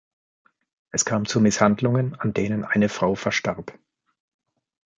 Es kam zu Misshandlungen, an denen eine Frau verstarb.